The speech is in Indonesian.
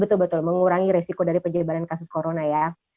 betul betul mengurangi resiko dari penyebaran kasus corona ya